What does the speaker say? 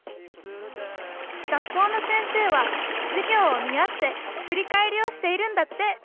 学校の先生は授業を見合って振り返りをしているんだって